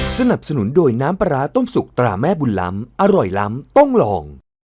สนับสนุนโดยน้ำปลาร้าต้มสุกตราแม่บุญล้ำอร่อยล้ำต้องลอง